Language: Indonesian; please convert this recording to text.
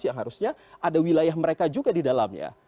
yang harusnya ada wilayah mereka juga di dalamnya